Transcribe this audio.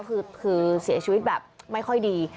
คือเสียชีวิตแบบไม่ค่อยดี